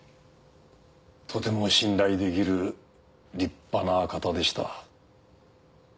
とても信頼できる立派な方でした。